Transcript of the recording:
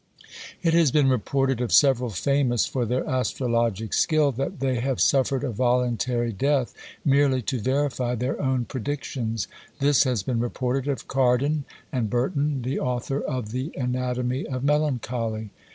It has been reported of several famous for their astrologic skill, that they have suffered a voluntary death merely to verify their own predictions; this has been reported of Cardan, and Burton, the author of the Anatomy of Melancholy.